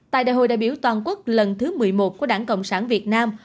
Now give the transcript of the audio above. tại đại hội đại biểu toàn quốc lần thứ một mươi một của đảng cộng sản việt nam